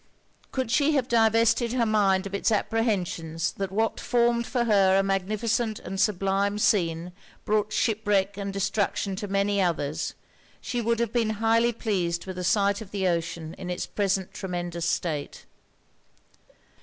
Could she have divested her mind of its apprehensions that what formed for her a magnificent and sublime scene brought shipwreck and destruction to many others, she would have been highly pleased with a sight of the ocean in its present tremendous state.